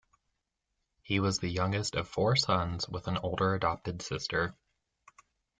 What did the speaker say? He was the youngest of four sons, with an older adopted sister.